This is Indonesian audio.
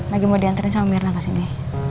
lagi mau diantarin sama mirna kesini